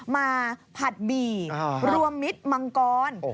ผัดหมี่รวมมิตรมังกร